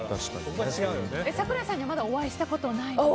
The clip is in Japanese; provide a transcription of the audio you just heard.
桜井さんにはまだお会いしたことはないですか。